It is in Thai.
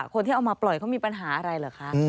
คนที่เอามาปล่อยเขามีปัญหาอะไรเหรอคะ